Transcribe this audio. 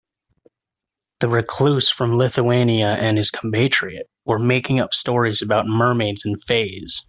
The recluse from Lithuania and his compatriot were making up stories about mermaids and fays.